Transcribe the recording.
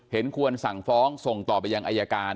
เห็นควรสั่งฟ้องส่งต่อไปยังอายการ